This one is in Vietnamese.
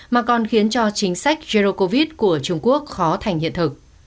mà còn khiến cho chính sách jerdo covid của trung quốc khó thành hiện thực